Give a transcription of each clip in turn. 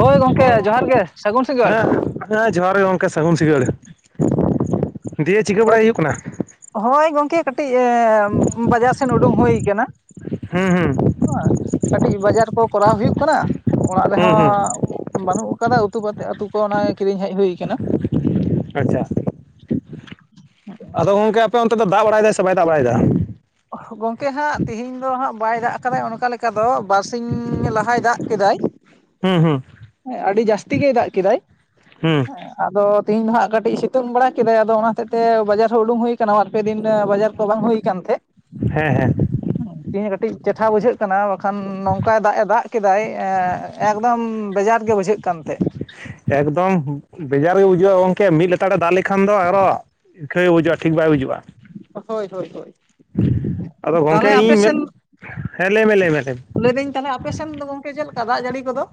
ᱦᱳᱭ ᱜᱚᱝᱠᱮ ᱡᱚᱦᱟᱨ ᱜᱮ ᱥᱟᱹᱜᱩᱱ ᱥᱤᱸᱜᱟᱹᱲ᱾ ᱦᱮᱸ ᱦᱮᱸ ᱡᱚᱦᱟᱨ ᱜᱮ ᱜᱚᱝᱠᱮ ᱥᱟᱹᱜᱩᱱ ᱥᱤᱸᱜᱟᱹᱲ ᱫᱤᱭᱮ ᱪᱤᱠᱟᱹ ᱵᱟᱲᱟᱭ ᱦᱳᱭᱳᱜ ᱠᱟᱱᱟ? ᱦᱳᱭ ᱜᱚᱝᱠᱮ ᱠᱟᱹᱴᱤᱡ ᱮᱸᱜ ᱵᱟᱡᱟᱨ ᱥᱮᱱ ᱩᱰᱩᱝ ᱦᱳᱭ ᱠᱟᱱᱟ᱾ ᱦᱩᱸ ᱦᱩᱸ᱾ ᱚᱣᱟ ᱠᱟᱹᱴᱤᱡ ᱵᱟᱡᱟᱨ ᱠᱚ ᱠᱚᱨᱟᱣ ᱦᱩᱭᱩᱜ ᱠᱟᱱᱟ ᱚᱲᱟᱜ ᱨᱮ ᱦᱩᱸ ᱦᱚᱸ ᱦᱩᱸ ᱵᱟᱹᱱᱩᱜ ᱠᱟᱫᱟ ᱩᱛᱩ ᱠᱟᱛᱮᱜ ᱩᱛᱩ ᱠᱚ ᱚᱱᱟ ᱜᱮ ᱠᱤᱨᱤᱧ ᱦᱮᱡ ᱦᱩᱭ ᱠᱟᱱᱟ᱾ ᱟᱪᱪᱷᱟ᱾ ᱟᱫᱚ ᱜᱚᱝᱠᱮ ᱟᱯᱮ ᱚᱱᱛᱮ ᱫᱚ ᱫᱟᱜ ᱵᱟᱲᱟᱭ ᱫᱟᱭ ᱥᱮ ᱵᱟᱭ ᱫᱟᱜ ᱵᱟᱲᱟᱭ ᱫᱟ? ᱜᱚᱝᱠᱮ ᱦᱟᱸᱜ ᱛᱤᱦᱮᱧ ᱫᱚ ᱦᱟᱸᱜ ᱵᱟᱭ ᱫᱟᱜ ᱠᱟᱫᱟ ᱚᱱᱠᱟ ᱞᱮᱠᱟ ᱫᱚ ᱵᱟᱨᱥᱤᱧ ᱞᱟᱦᱟᱭ ᱫᱟᱜ ᱠᱮᱫᱟᱭ᱾ ᱦᱩᱸ ᱦᱩᱸ᱾ ᱦᱮᱸ ᱟᱹᱰᱤ ᱡᱟᱹᱥᱛᱤ ᱜᱮᱭ ᱫᱟᱜ ᱠᱮᱫᱟᱭ ᱦᱩᱸ ᱦᱮᱸ᱾ ᱟᱫᱚ ᱛᱤᱦᱤᱧ ᱫᱚ ᱦᱟᱸᱜ ᱠᱟᱹᱴᱤᱡ ᱥᱤᱛᱩᱝ ᱵᱟᱲᱟ ᱠᱮᱫᱟᱭ ᱟᱫᱚ ᱚᱱᱟ ᱦᱚᱛᱮᱜ ᱛᱮ ᱵᱟᱡᱟᱨ ᱦᱚᱸ ᱩᱰᱩᱝ ᱦᱩᱭ ᱠᱟᱱᱟ ᱵᱟᱨ-ᱯᱮ ᱫᱤᱱ ᱵᱟᱡᱟᱨ ᱛᱚ ᱵᱟᱝ ᱦᱩᱭ ᱟᱠᱟᱱ ᱛᱷᱮᱸᱜ᱾ ᱦᱮᱸ ᱦᱮᱸ᱾ ᱩᱸ ᱛᱤᱦᱤᱧ ᱠᱟᱹᱴᱤᱡ ᱪᱮᱴᱷᱟ ᱵᱩᱡᱷᱟᱹᱜ ᱠᱟᱱᱟ ᱵᱟᱠᱷᱟᱱ ᱱᱚᱝᱠᱟᱭ ᱫᱟᱜ ᱮ ᱫᱟᱜ ᱠᱮᱫᱟᱭ ᱮᱸᱜ ᱮᱠᱫᱚᱢ ᱵᱟᱡᱟᱨ ᱜᱮ ᱵᱩᱡᱷᱟᱹᱜ ᱠᱟᱱ ᱛᱮᱸᱜ᱾ ᱮᱠᱫᱚᱢ ᱵᱮᱡᱟᱨ ᱜᱮ ᱵᱩᱡᱩᱜᱼᱟ ᱜᱚᱝᱠᱮ ᱢᱤᱫ ᱞᱮᱛᱟᱲᱮ ᱫᱟᱜ ᱞᱮᱠᱷᱟᱱ ᱫᱚ ᱟᱨᱚ ᱤᱠᱷᱟᱹ ᱵᱩᱡᱟᱹᱜᱼᱟ ᱴᱷᱤᱠ ᱵᱟᱭ ᱵᱩᱡᱩᱜᱼᱟ᱾ ᱦᱳᱭ ᱦᱳᱭ ᱦᱳᱭ ᱟᱫᱚ ᱜᱚᱝᱠᱮ ᱛᱟᱦᱚᱞᱮ ᱟᱯᱮ ᱤᱧ ᱢᱮᱱ ᱥᱮᱱ ᱦᱮᱸ ᱞᱟᱹᱭ ᱢᱮ ᱞᱟᱹᱭ ᱢᱮ ᱞᱟᱹᱭ ᱢᱮ᱾ ᱞᱟᱹᱫᱤᱧ ᱛᱟᱦᱞᱮ ᱟᱯᱮ ᱥᱮᱱ ᱫᱚ ᱜᱚᱝᱠᱮ ᱪᱮᱫ ᱞᱮᱠᱟ ᱫᱟᱜ ᱡᱟᱹᱲᱤ ᱠᱚᱫᱚ?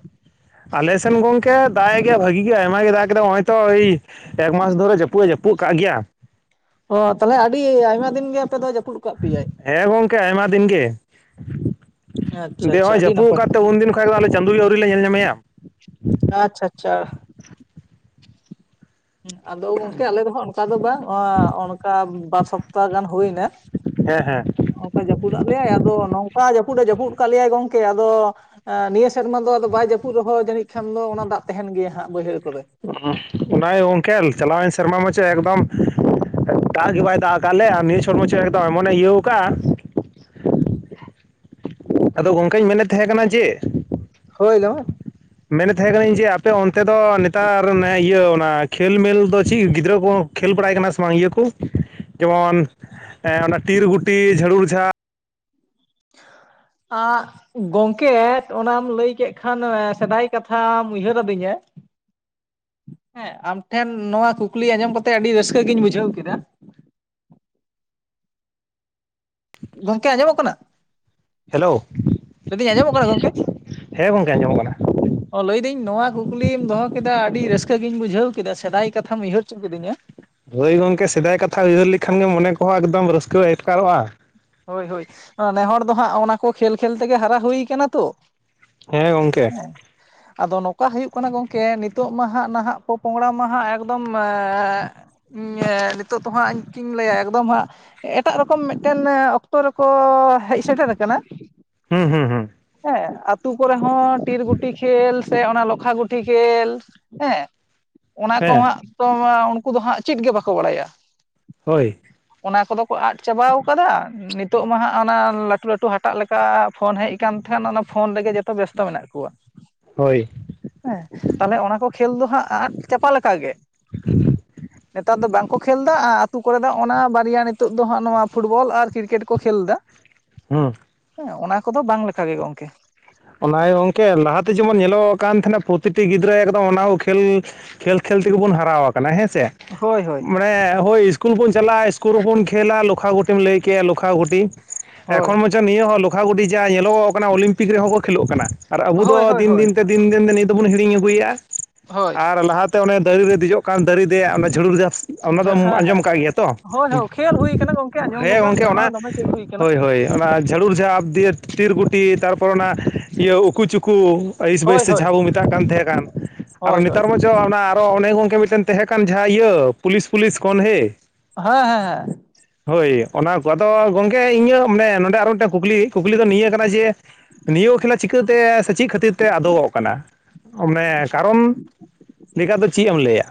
ᱟᱞᱮ ᱥᱮᱱ ᱜᱚᱝᱠᱮ ᱫᱟᱜ ᱮᱜ ᱜᱮᱭᱟ ᱵᱷᱟᱜᱤ ᱜᱮ ᱟᱭᱢᱟ ᱜᱮ ᱫᱟᱜ ᱠᱮᱫᱟ ᱚᱜᱼᱚᱭ ᱛᱚ ᱮᱭ ᱮᱠᱢᱟᱥ ᱫᱷᱚᱨᱮ ᱡᱟᱹᱯᱩᱜ ᱮ ᱡᱟᱹᱯᱩᱜ ᱠᱟᱜ ᱜᱮᱭᱟ᱾ ᱚ ᱛᱟᱞᱮ ᱟᱹᱰᱤ ᱟᱭᱢᱟ ᱫᱤᱱ ᱜᱮ ᱟᱯᱮ ᱫᱚ ᱡᱟᱹᱯᱩᱫ ᱠᱟᱜ ᱯᱮᱭᱟᱭ᱾ ᱦᱮᱸ ᱜᱚᱝᱠᱮ ᱟᱭᱢᱟ ᱫᱤᱱ ᱜᱮ ᱟᱪᱪᱷᱟ ᱫᱮ ᱟᱪᱪᱷᱟ ᱦᱚᱸᱭ ᱟᱹᱰᱤ ᱡᱟᱹᱯᱩᱜ ᱱᱟᱯᱟᱭ ᱠᱟᱜ ᱛᱮ ᱩᱱᱫᱤᱱ ᱠᱷᱚ [unintelligible] ᱟᱞᱮ ᱪᱟᱸᱫᱩ ᱜᱮ ᱟᱹᱣᱨᱤ ᱞᱮ ᱧᱮᱞ ᱧᱟᱢᱮᱭᱟ᱾ ᱟᱪᱪᱷᱟ ᱟᱪᱪᱷᱟ᱾ ᱦᱩᱸ ᱟᱫᱚ ᱜᱚᱝᱠᱮ ᱟᱞᱮ ᱫᱚ ᱦᱟᱸᱜ ᱚᱱᱠᱟ ᱫᱚ ᱵᱟᱝ ᱚᱸᱜ ᱚᱱᱠᱟ ᱵᱟᱨ ᱥᱚᱯᱛᱟ ᱜᱟᱱ ᱦᱳᱭᱱᱟ᱾ ᱦᱮᱸ ᱦᱮᱸ᱾ ᱚᱝᱠᱟ ᱡᱟᱹᱯᱩᱫ ᱟᱫ ᱞᱮᱭᱟᱭ ᱟᱫᱚ ᱱᱚᱝᱠᱟ ᱡᱟᱹᱯᱩᱫ ᱮ ᱡᱟᱹᱯᱩᱫ ᱠᱟᱜ ᱞᱮᱭᱟᱭ ᱜᱚᱝᱠᱮ ᱟᱫᱚ ᱮᱻ ᱱᱤᱭᱟᱹ ᱥᱮᱨᱢᱟ ᱫᱚ ᱟᱫᱚ ᱵᱟᱭ ᱡᱟᱹᱯᱩᱫ ᱨᱮ ᱦᱚᱸ ᱡᱟᱹᱱᱤᱡ ᱠᱷᱟᱱ ᱫᱚ ᱚᱱᱟ ᱫᱟᱜ ᱛᱮᱦᱮᱱ ᱜᱮᱭᱟ ᱦᱟᱸᱜ ᱵᱟᱹᱭᱦᱟᱹᱲ ᱠᱚᱨᱮ᱾ [unintelligible] ᱚᱱᱟ ᱜᱮ ᱜᱚᱝᱠᱮ ᱪᱟᱞᱟᱣᱮᱱ ᱥᱮᱨᱢᱟ ᱢᱟᱪᱚᱭ ᱮᱠᱫᱚᱢ ᱫᱟᱜ ᱜᱮ ᱵᱟᱭ ᱫᱟᱜ ᱟᱠᱟᱜ ᱞᱮ ᱟᱨ ᱱᱤᱭᱟᱹ ᱪᱷᱚᱨᱢᱩᱪᱷᱟᱹ ᱮᱠᱫᱚ ᱮᱢᱚᱱᱮ ᱤᱭᱟᱹᱣ ᱠᱟᱜᱼᱟ᱾ ᱟᱫᱚ ᱜᱚᱝᱠᱮᱧ ᱢᱮᱱᱮᱫ ᱛᱮᱦᱮᱸ ᱠᱟᱱᱟ ᱡᱮ ᱦᱳᱭ ᱞᱚᱹᱣᱚᱝ [unintelligible] ᱢᱮᱱᱮᱫ ᱛᱮᱦᱮᱸ ᱠᱟᱱᱟᱹᱧ ᱡᱮ ᱟᱯᱮ ᱚᱱᱛᱮ ᱫᱚ ᱱᱮᱛᱟᱨ ᱢᱮ ᱤᱭᱟᱹ ᱚᱱᱟ ᱠᱷᱮᱞ-ᱢᱮᱞ ᱫᱚ ᱪᱤᱜ ᱜᱤᱫᱽᱨᱟᱹ ᱠᱩᱦᱚᱸ ᱠᱷᱮᱞ ᱵᱟᱲᱟᱭ ᱠᱟᱱᱟ ᱥᱮ ᱵᱟᱝ ᱤᱭᱟᱹ ᱠᱩ ᱡᱮᱢᱚᱱ ᱮᱸᱜ ᱚᱱᱟ ᱴᱤᱨ ᱜᱩᱴᱤ ᱡᱷᱲᱩᱲ ᱡᱷᱟ᱾ ᱟᱸᱜ ᱜᱚᱝᱠᱮ ᱚᱱᱟᱢ ᱞᱟᱹᱭ ᱠᱮᱜ ᱠᱷᱟᱱ ᱥᱮᱫᱟᱭ ᱠᱟᱛᱷᱟᱢ ᱩᱭᱦᱟᱹᱨᱟᱫᱤᱧᱟ᱾ [unintelligible] ᱦᱮᱸ ᱟᱢ ᱴᱷᱮᱱ ᱱᱚᱣᱟ ᱠᱩᱠᱞᱤ ᱟᱸᱡᱚᱢ ᱠᱟᱛᱮᱜ ᱟᱹᱰᱤ ᱨᱟᱹᱥᱠᱟᱹ ᱜᱤᱧ ᱵᱩᱡᱷᱟᱹᱣ ᱠᱮᱫᱟ᱾ ᱜᱚᱝᱠᱮ ᱟᱸᱡᱚᱢᱚᱜ ᱠᱟᱱᱟ? ᱦᱮᱞᱳ ᱞᱟᱹᱭᱫᱟᱹᱧ ᱟᱸᱡᱚᱢᱚᱜ ᱠᱟᱱᱟ ᱜᱚᱝᱠᱮ ᱦᱮᱸ ᱜᱚᱝᱠᱮ ᱟᱸᱡᱚᱢᱚᱜ ᱠᱟᱱᱟ᱾ ᱚ ᱞᱟᱹᱭ ᱫᱟᱹᱧ ᱱᱚᱣᱟ ᱠᱩᱠᱞᱤᱢ ᱫᱚᱦᱚ ᱠᱮᱫᱟ ᱟᱹᱰᱤ ᱨᱟᱹᱥᱠᱟᱹ ᱜᱤᱧ ᱵᱩᱡᱷᱟᱹᱣ ᱠᱮᱫᱟ ᱥᱮᱫᱟᱭ ᱠᱟᱛᱷᱟᱢ ᱩᱭᱦᱟᱹᱨ ᱪᱚ ᱠᱤᱫᱤᱧᱟᱹ᱾ ᱦᱳᱭ ᱜᱚᱝᱠᱮ ᱥᱮᱫᱟᱭ ᱠᱟᱛᱷᱟ ᱩᱭᱦᱟᱹᱨ ᱞᱮᱠᱷᱟᱱ ᱜᱮ ᱢᱚᱱᱮ ᱠᱚᱦᱚᱸ ᱮᱠᱫᱚᱢ ᱨᱟᱹᱥᱠᱟᱹ ᱮᱴᱠᱟᱨᱚᱜ-ᱟ᱾ ᱦᱳᱭ ᱦᱳᱭ ᱱᱮᱦᱚᱲ ᱫᱚ ᱦᱟᱸᱜ ᱚᱱᱟ ᱠᱚ ᱠᱷᱮᱞ ᱠᱷᱮᱞ ᱛᱮᱜᱮ ᱦᱟᱨᱟ ᱦᱩᱭ ᱠᱟᱱᱟ ᱛᱚ᱾ ᱦᱮᱸ ᱜᱚᱝᱠᱮ ᱦᱮᱸ᱾ ᱟᱫᱚ ᱱᱚᱠᱟ ᱦᱩᱭᱩᱜ ᱠᱟᱱᱟ ᱜᱚᱝᱠᱮ ᱱᱤᱛᱳᱜ ᱢᱟᱦᱟᱸᱜ ᱱᱟᱦᱟᱸᱜ ᱯᱚᱯᱚᱝᱲᱟ ᱢᱟᱦᱟᱸᱜ ᱮᱠᱫᱚᱢ ᱮᱸᱜ ᱧᱮᱸᱜᱻ ᱱᱤᱛᱳᱜ ᱛᱚ ᱦᱟᱸᱜ ᱤᱧ ᱪᱤᱧ ᱞᱟᱹᱭᱟ ᱮᱠᱫᱚᱢ ᱦᱟᱸᱜ ᱮᱴᱟᱜ ᱨᱚᱠᱚᱢ ᱢᱮᱫᱴᱮᱱ ᱢᱮ ᱚᱠᱛᱚ ᱨᱮᱠᱚ ᱦᱮᱡ ᱥᱮᱴᱮᱨ ᱟᱠᱟᱱᱟ ᱦᱩᱸ ᱦᱩᱸ ᱦᱩᱸ ᱦᱮᱸ ᱟᱹᱛᱩ ᱠᱚᱨᱮ ᱦᱚᱸ ᱴᱤᱨ ᱜᱩᱴᱤ ᱠᱷᱮᱞ ᱥᱮ ᱚᱱᱟ ᱞᱚᱠᱷᱟ ᱜᱩᱴᱤ ᱠᱷᱮᱞ ᱦᱮᱸ ᱚᱱᱟ ᱠᱚ ᱦᱮᱸ ᱦᱟᱸᱜ ᱛᱚ ᱢᱟ ᱩᱱᱠᱩ ᱫᱚ ᱦᱟᱸᱜ ᱪᱤᱫ ᱜᱮ ᱵᱟᱠᱚ ᱵᱟᱲᱟᱭᱟ᱾ ᱦᱳᱭ᱾ ᱚᱱᱟ ᱠᱚᱫᱚ ᱠᱚ ᱟᱫ ᱪᱟᱵᱟᱣ ᱠᱟᱫᱟ ᱱᱤᱛᱳᱜ ᱢᱟ ᱦᱟᱸᱜ ᱚᱱᱟ ᱞᱟᱴᱩ ᱞᱟᱴᱩ ᱦᱟᱴᱟᱜ ᱞᱮᱠᱟ ᱯᱷᱳᱱ ᱦᱮᱡ ᱠᱟᱱ ᱛᱮᱦᱮᱱ ᱚᱱᱟ ᱚᱱᱟ ᱯᱷᱳᱱ ᱨᱮ ᱜᱮ ᱡᱚᱛᱚ ᱵᱮᱥᱛᱚ ᱢᱮᱱᱟᱜ ᱠᱩᱣᱟᱜ ᱦᱳᱭ᱾ ᱦᱮᱸ ᱛᱟᱦᱞᱮ ᱚᱱᱟ ᱠᱚ ᱠᱷᱮᱞ ᱫᱚ ᱦᱟᱸᱜ ᱟᱫ ᱪᱟᱯᱟ ᱞᱮᱠᱟ ᱜᱮ᱾ ᱱᱮᱛᱟᱨ ᱫᱚ ᱵᱟᱝ ᱠᱚ ᱠᱷᱮᱞ ᱫᱟ ᱟᱸ ᱟᱛᱩ ᱠᱚ ᱨᱮ ᱫᱚ ᱚᱱᱟ ᱵᱟᱨᱭᱟ ᱱᱤᱛᱳᱜ ᱫᱚ ᱦᱟᱸᱜ ᱱᱚᱣᱟ ᱯᱷᱩᱴᱵᱚᱞ ᱟᱨ ᱠᱨᱤᱠᱮᱴ ᱠᱚ ᱠᱷᱮᱞ ᱫᱟ ᱦᱩᱸ ᱦᱮᱸ ᱚᱱᱟ ᱠᱚᱫᱚ ᱵᱟᱝ ᱞᱮᱠᱟ ᱜᱮ ᱜᱚᱝᱠᱮ ᱚᱱᱟ ᱜᱤ ᱜᱚᱝᱠᱮ ᱞᱟᱦᱟᱛᱮ ᱡᱮᱢᱚᱱ ᱧᱮᱞᱚᱜ ᱠᱟᱱ ᱛᱟᱦᱮᱱᱟ ᱯᱨᱚᱛᱤᱴᱤ ᱜᱤᱫᱽᱨᱟᱹ ᱮᱠᱫᱚᱢ ᱚᱱᱟ ᱠᱷᱮᱞ ᱠᱷᱮᱞ ᱠᱷᱮᱞ ᱛᱮᱜᱮ ᱵᱚᱱ ᱦᱟᱨᱟ ᱟᱠᱟᱱᱟ ᱦᱮᱸᱥᱮ ᱦᱳᱭ ᱦᱳᱭ ᱢᱟᱱᱮ ᱦᱳᱭ ᱤᱥᱠᱩᱞ ᱵᱚᱱ ᱪᱟᱞᱟᱜᱼᱟ ᱤᱥᱠᱩᱞ‌ ᱨᱮᱵᱚᱱ ᱠᱷᱮᱞᱟ ᱞᱚᱠᱠᱷᱷᱟ ᱜᱷᱩᱤᱢ ᱞᱟᱹᱭ ᱠᱮᱜᱭᱟ ᱞᱚᱠᱷᱟ ᱜᱷᱩᱴᱤ ᱦᱳᱭ ᱮᱠᱷᱚᱱ ᱢᱚᱪᱚ ᱱᱤᱭᱟ ᱦᱚᱸ ᱞᱚᱠᱷᱟ ᱜᱩᱚᱴᱷᱤ ᱡᱟ ᱧᱮᱞᱚᱜ ᱠᱟᱱᱟ ᱚᱞᱤᱢᱯᱤᱠ ᱨᱮᱦᱚᱸ ᱠᱷᱮᱞᱳᱜ ᱠᱟᱱᱟ ᱟᱨ ᱟᱵᱚ ᱦᱳᱭ ᱫᱚ ᱦᱳᱭ ᱫᱤᱱ ᱦᱳᱭ ᱫᱤᱱᱛᱮ ᱫᱤᱱ ᱫᱤᱱ ᱛᱮ ᱱᱤᱛ ᱫᱚᱵᱚᱱ ᱦᱤᱲᱤᱧ ᱟᱹᱜᱩᱭᱮᱜ-ᱟ ᱦᱳᱭ ᱟᱨ ᱞᱟᱦᱟᱛᱮ ᱚᱱᱮ ᱫᱟᱹᱨᱤ ᱨᱮ ᱫᱮᱡᱚᱜ ᱠᱟᱱ ᱫᱟᱹᱨᱤ ᱚᱱᱟ ᱡᱷᱩᱲᱩᱨ [unintelligible] ᱚᱱᱟ ᱡᱷᱟᱹ ᱫᱚᱢ ᱦᱮᱸ ᱟᱸᱡᱚᱢ ᱦᱮᱸ ᱟᱠᱟᱫ ᱜᱮᱭᱟ ᱛᱚ ᱦᱳᱭ ᱦᱳᱭ ᱠᱷᱮᱞ ᱦᱩᱭ ᱠᱟᱱᱟ ᱜᱚᱝᱠᱮ ᱟᱸᱡᱚᱢ ᱫᱚ ᱦᱮᱸ ᱵᱟᱝ ᱜᱚᱝᱠᱮ ᱱᱮ ᱦᱚᱲ ᱚᱱᱟ ᱦᱚᱸ ᱫᱚᱢᱮ ᱠᱷᱮᱞ ᱦᱩᱭ ᱠᱟᱱᱟ ᱦᱳᱭ ᱦᱳᱭ ᱚᱱᱟ ᱡᱷᱟᱲᱩᱨ ᱡᱷᱟᱯ ᱫᱤᱭᱮ ᱴᱤᱨ ᱜᱩᱴᱤ ᱛᱟᱨᱯᱚᱨ ᱚᱱᱟ ᱤᱭᱟᱹ ᱩᱠᱩ ᱪᱩᱠᱩ ᱟᱹᱭᱤᱥ ᱦᱳᱭ ᱵᱟᱹᱭᱮᱥ ᱥᱮ ᱦᱳᱭ ᱡᱟᱦᱟᱸ ᱵᱚᱱ ᱢᱮᱛᱟᱜ ᱠᱟᱱ ᱛᱟᱦᱮᱸ ᱠᱟᱱ ᱟᱨᱚ ᱦᱳᱭ ᱦᱳᱭ ᱱᱮᱛᱟᱨ ᱢᱟ ᱪᱚ ᱟᱱᱮ ᱟᱨᱚ ᱚᱱᱮ ᱜᱚᱝᱠᱮ ᱢᱤᱫᱴᱮᱱ ᱛᱟᱦᱮᱸ ᱠᱟᱱ ᱡᱟᱦᱟᱸ ᱤᱭᱟᱹ ᱯᱩᱞᱤᱥ ᱯᱩᱞᱤᱥ ᱠᱷᱚᱱᱦᱮ ᱦᱮᱸ ᱦᱮᱸ ᱦᱮᱸ ᱦᱳᱭ ᱚᱱᱟ ᱠᱚ ᱟᱫᱚ ᱜᱚᱢᱠᱮ ᱤᱧᱟᱹᱜ ᱢᱟᱱᱮ ᱱᱚᱸᱰᱮ ᱟᱨᱚ ᱢᱤᱫᱴᱮᱱ ᱠᱩᱠᱞᱤ ᱠᱩᱠᱞᱤ ᱫᱚ ᱱᱤᱭᱟᱹ ᱠᱟᱱᱟ ᱡᱮ ᱱᱤᱭᱟᱹ ᱠᱷᱮᱞᱟ ᱪᱤᱠᱟᱹᱛᱮ ᱥᱮ ᱪᱮᱫ ᱠᱷᱟᱹᱛᱤᱨ ᱛᱮ ᱟᱫᱚᱜᱚᱜ ᱠᱟᱱᱟ ᱢᱟᱱᱮ ᱠᱟᱨᱚᱱ ᱞᱮᱠᱟ ᱫᱚ ᱪᱮᱫ ᱮᱢ ᱞᱟᱹᱭᱟ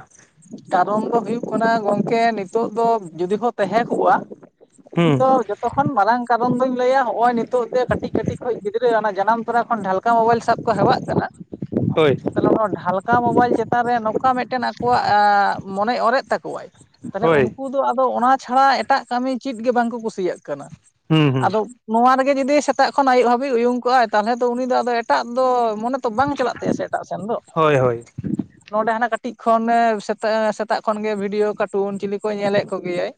ᱠᱟᱨᱚᱱ ᱫᱚ ᱦᱩᱭᱩᱜ ᱠᱟᱱᱟ ᱜᱚᱝᱠᱮ ᱱᱤᱛᱚᱜ ᱫᱚ ᱡᱩᱫᱤ ᱦᱚ ᱛᱟᱦᱮ ᱠᱚᱜᱼᱟ ᱦᱩᱸ ᱤᱧ ᱫᱚ ᱡᱚᱼᱼ ᱡᱚᱠᱷᱚᱱ ᱠᱷᱚᱱ ᱢᱟᱨᱟᱝ ᱠᱟᱨᱚᱱ ᱫᱚᱧ ᱞᱟᱹᱭᱟ ᱱᱚᱜᱼᱚᱭ ᱱᱤᱛᱚᱜ ᱛᱮ ᱠᱟᱹᱴᱤᱡ ᱠᱟᱹᱴᱤᱡ ᱠᱷᱚᱡ ᱜᱤᱫᱽᱨᱟᱹ ᱚᱱᱟ ᱡᱟᱱᱟᱢ ᱛᱚᱨᱟ ᱠᱷᱚᱱ ᱰᱷᱟᱞᱼᱼᱼ ᱠᱟ ᱢᱳᱵᱟᱭᱤᱞ ᱥᱟᱵ ᱠᱚ ᱦᱮᱣᱟᱜ ᱠᱟᱱᱟ ᱦᱳᱭ ᱛᱟᱦᱚᱞᱮ ᱱᱚᱣᱟ ᱰᱷᱟᱞᱠᱟ ᱢᱳᱵᱟᱭᱤᱞ ᱪᱮᱛᱟᱱ ᱨᱮ ᱱᱚᱝᱠᱟ ᱢᱤᱫᱴᱮᱱ ᱟᱠᱚᱣᱟᱜ ᱟᱸ ᱢᱚᱱᱮ ᱚᱨᱮᱫ ᱛᱟᱠᱚᱣᱟᱭ ᱛᱟᱦᱞᱮ ᱦᱳᱭ ᱩᱱᱠᱩ ᱩᱱᱠᱩ ᱟᱫᱚ ᱚᱱᱟ ᱪᱷᱟᱲᱟ ᱮᱴᱟᱜ ᱠᱟᱹᱢᱤ ᱪᱮᱫ ᱜᱮ ᱵᱟᱝᱠᱚ ᱠᱩᱥᱤᱭᱟᱜ ᱠᱟᱱᱟ ᱦᱩᱸ ᱦᱩᱸ ᱟᱫᱚ ᱱᱚᱣᱟ ᱨᱮᱜᱮ ᱡᱩᱫᱤ ᱥᱮᱛᱟᱜ ᱠᱷᱚᱱ ᱟᱹᱭᱩᱵ ᱦᱟᱹᱵᱤᱡ ᱩᱭᱩᱝ ᱠᱚᱜᱼᱟᱭ ᱛᱟᱦᱚᱞᱮ ᱛᱚ ᱩᱱᱤ ᱫᱚ ᱟᱫᱚ ᱮᱴᱟᱜ ᱫᱚ ᱢᱚᱱᱮᱼᱼ ᱛᱚ ᱵᱟᱝ ᱪᱟᱞᱟᱜ ᱛᱟᱭᱟ ᱥᱮ ᱮᱴᱟᱜ ᱥᱮᱱ ᱫᱚ ᱦᱳᱭ ᱦᱳᱭ ᱱᱚᱰᱮ ᱦᱟᱱᱟ ᱠᱟᱹᱴᱤᱡ ᱠᱷᱚᱱ ᱮ ᱥᱮ ᱥᱮᱛᱟᱜ ᱠᱷᱚᱱᱜᱮ ᱵᱷᱤᱰᱤᱭᱳ ᱠᱟᱨᱴᱩᱱ ᱪᱤᱞᱤ ᱠᱚ ᱧᱮᱞᱮᱫ ᱠᱚᱜᱮᱭᱟᱭ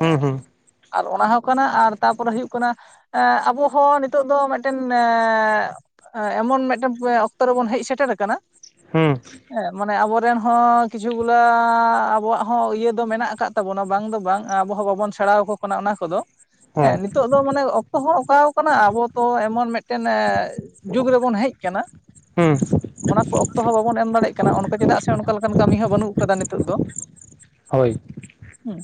ᱦᱩᱸ ᱦᱮᱸ ᱦᱩᱸ ᱟᱨ ᱚᱱᱟ ᱦᱚᱸ ᱠᱟᱱᱟ ᱟᱨ ᱛᱟᱨᱯᱚᱨᱮ ᱦᱩᱭᱩᱜ ᱠᱟᱱᱟ ᱮ ᱟᱵᱚ ᱦᱚᱸ ᱱᱤᱛᱚᱜ ᱫᱚ ᱢᱤᱫᱴᱮᱱ ᱮ ᱮᱢᱚᱱ ᱢᱤᱫᱴᱮᱱ ᱚᱠᱛᱚ ᱨᱮᱵᱩᱱ ᱦᱮᱡ ᱥᱮᱴᱮᱨ ᱟᱠᱟᱱᱟ ᱦᱩᱸ ᱦᱮᱸ ᱢᱟᱱᱮ ᱟᱵᱚᱨᱮᱱ ᱦᱚᱸᱤ ᱠᱤᱪᱷᱩ ᱠᱤᱪᱷᱩ ᱜᱩᱞᱟ ᱟᱵᱚᱣᱟᱜ ᱦᱚᱸ ᱤᱭᱟᱹ ᱫᱚ ᱢᱮᱱᱟᱜ ᱟᱠᱟᱫ ᱛᱟᱵᱚᱱᱟ ᱵᱟᱝ ᱫᱚ ᱵᱟᱝ ᱟᱵᱚ ᱦᱚᱸ ᱵᱟᱵᱚᱱ ᱥᱮᱬᱟ ᱟᱠᱚ ᱠᱟᱱᱟ ᱚᱱᱟ ᱠᱚᱫᱚ᱾ ᱦᱮᱸ ᱱᱤᱛᱚᱜ ᱫᱚ ᱢᱟᱱᱮ ᱚᱠᱛᱚ ᱦᱚᱸ ᱚᱠᱟ ᱠᱟᱱᱟ ᱟᱵᱚ ᱛᱚ ᱮᱢᱚᱱ ᱢᱤᱫᱴᱮᱱ ᱮᱸ ᱡᱩᱜᱽ ᱨᱮᱵᱚᱱ ᱦᱮᱡ ᱟᱠᱟᱱᱟ ᱦᱩᱸ ᱚᱱᱟ ᱠᱚ ᱚᱠᱛᱚ ᱦᱚᱸ ᱵᱟᱵᱚᱱ ᱮᱢ ᱫᱟᱲᱮᱭᱟᱜ ᱠᱟᱱᱟ ᱚᱱᱠᱟ ᱪᱮᱫᱟᱜ ᱥᱮ ᱚᱱᱠᱟ ᱞᱮᱠᱟᱱ ᱠᱟᱹᱢᱤ ᱦᱚᱸ ᱵᱟᱹᱱᱩᱜ ᱠᱟᱫᱟ ᱱᱤᱛᱳ ᱫᱚ ᱦᱳᱭ ᱩᱸ᱾